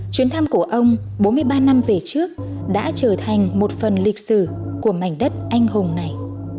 chuyến thăm của ông bốn mươi ba năm về trước đã trở thành một phần lịch sử của mảnh đất anh hùng này